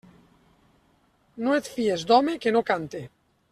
No et fies d'home que no cante.